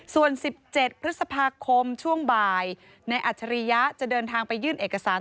ส่วน๑๗พฤษภาคมช่วงบ่ายในอัจฉริยะจะเดินทางไปยื่นเอกสาร